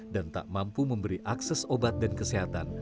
dan tak mampu memberi akses obat dan kesehatan